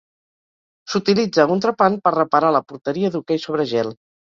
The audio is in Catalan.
S'utilitza un trepant per reparar la porteria d'hoquei sobre gel.